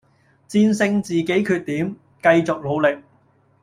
戰勝自己缺點，繼續努力